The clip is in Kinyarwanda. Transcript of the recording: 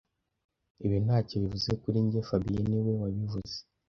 Ibyo ntacyo bivuze kuri njye fabien niwe wabivuze